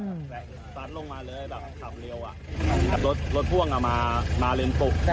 มาเลยแบบขับเรี่ยวรถรถพ่วงอ่ะมามาเร่งตุก